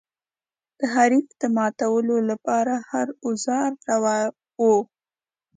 د حریف د ماتولو لپاره هر اوزار روا و.